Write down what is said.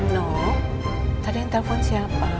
no tadi yang telpon siapa